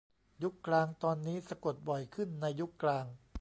ยุคกลางตอนนี้สะกดบ่อยขึ้นในยุคกลาง